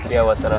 khi nó đã bắt đầu